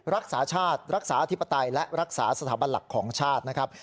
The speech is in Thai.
รักษาชาติรักษาอธิปไตยและรักษาสถาบันหลักของชาตินะครับ